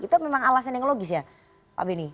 itu memang alasan yang logis ya pak beni